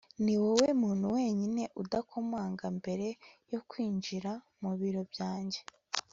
niwowe muntu wenyine udakomanga mbere yo kwinjira mu biro byanjye